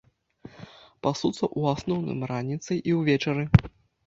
Пасуцца ў асноўным раніцай і ўвечары.